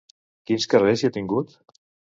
Quins càrrecs hi ha tingut?